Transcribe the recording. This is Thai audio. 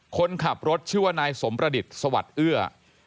คนขับรถชื่อว่านายสมประดิษฐ์สวัสดิ์เอื้อ